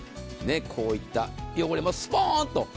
こういった汚れもスポーンと。